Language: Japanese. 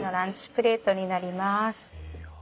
プレートになります。